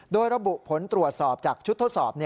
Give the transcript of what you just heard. โดยระบุผลตรวจสอบจากชุดทดสอบ